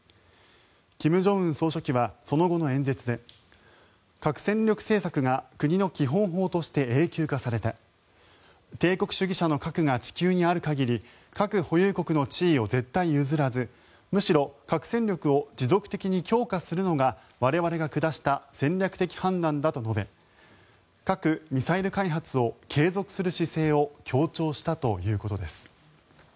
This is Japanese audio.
金正恩総書記はその後の演説で核戦力政策が国の基本法として永久化された帝国主義者の核が地球にある限り核保有国の地位を絶対譲らずむしろ核戦力を持続的に強化するのが我々が下した戦略的判断だと述べ核・ミサイル開発を継続する姿勢を強調したということです。